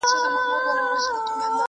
را لېږلي یاره دا خلګ خزان دي ,